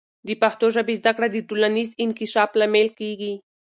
د پښتو ژبې زده کړه د ټولنیز انکشاف لامل کیږي.